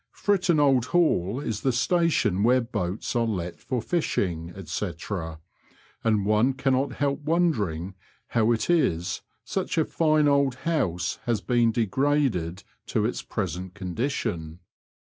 Fritton Old Hall is the station where boats are let for fishing, &c., and one cannot help wondering how it is such a fine old house has been degraded to its present condition.